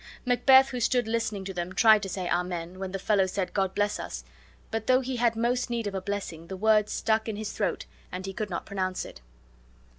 Macbeth, who stood listening to them, tried to say "Amen" when the fellow said "God bless us!" but, though he had most need of a blessing, the word stuck in his throat and he could not pronounce it.